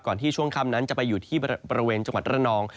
ที่ช่วงค่ำนั้นจะไปอยู่ที่บริเวณจังหวัดระนอง